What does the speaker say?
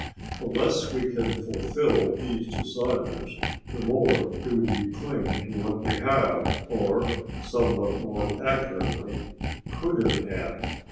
The less we can fulfil these desires the more do we cling to what we have, or, somewhat more accurately, could have had.